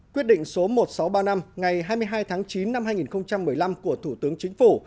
quyết định số một nghìn sáu trăm ba mươi năm ngày hai mươi hai tháng chín năm hai nghìn một mươi năm của thủ tướng chính phủ